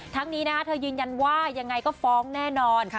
นี้นะคะเธอยืนยันว่ายังไงก็ฟ้องแน่นอน